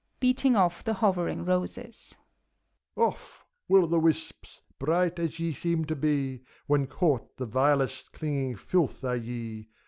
(Beating off the hovering roses,) Off, will o' the wisps ! Bright as ye seem to be, When caught, the vilest clinging filth are ye.